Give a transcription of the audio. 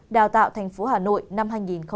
đào tạo thành phố hà nội năm hai nghìn hai mươi